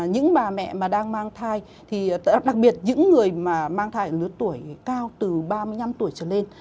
những bà mẹ mà đang mang thai thì đặc biệt những người mà mang thai ở lứa tuổi cao từ ba mươi năm tuổi trở lên